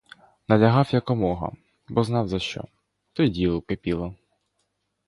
Налягав якомога, бо знав за що, то й діло кипіло.